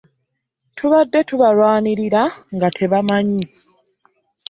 Tubadde tubalwanirira nga tebamanyi.